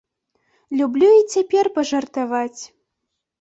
Люблю і цяпер пажартаваць.